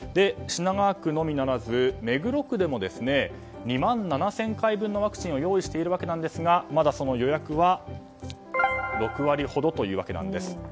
品川区のみならず目黒区でも２万７０００回分のワクチンを用意しているんですがまだその予約は６割ほどというわけなんです。